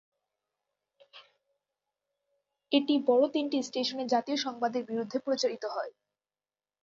এটি বড় তিনটি স্টেশনে জাতীয় সংবাদের বিরুদ্ধে প্রচারিত হয়।